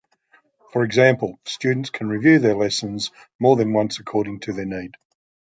For example, students can review their lessons more than once according to their need.